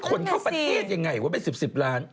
จะขนเข้าประเทศอย่างไรว่าเป็น๑๐ล้านบาท